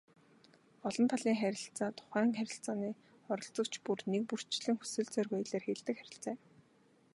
Олон талын харилцаа тухайн харилцааны оролцогч бүр нэгбүрчилсэн хүсэл зоригоо илэрхийлдэг харилцаа юм.